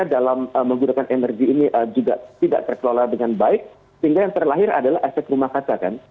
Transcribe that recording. dalam menggunakan energi ini juga tidak terkelola dengan baik sehingga yang terlahir adalah efek rumah kaca kan